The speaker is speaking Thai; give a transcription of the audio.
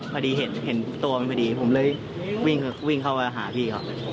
พอดีเห็นตัวมันพอดีผมเลยวิ่งเข้ามาหาพี่เขา